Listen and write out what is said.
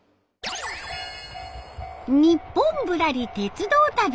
「ニッポンぶらり鉄道旅」。